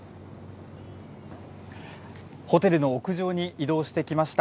ホテルの屋上に移動してきました。